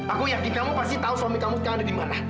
aku yakin kamu pasti tahu suami kamu sekarang ada di mana